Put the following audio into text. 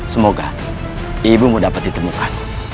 semoga ibumu dapat ditemukan